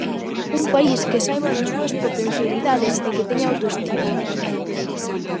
Un país que saiba das súas potencialidades e que teña autoestima.